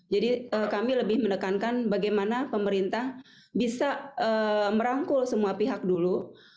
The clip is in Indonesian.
jadi kami lebih mendekankan bagaimana pemerintah bisa merangkul semua pihak dulu